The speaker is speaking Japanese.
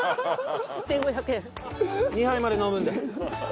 ２杯まで飲むんで。